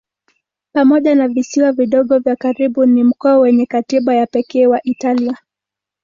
Pamoja na visiwa vidogo vya karibu ni mkoa wenye katiba ya pekee wa Italia.